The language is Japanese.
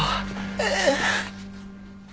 ええ。